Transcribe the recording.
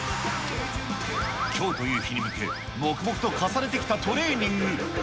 きょうという日に向け、黙々と重ねてきたトレーニング。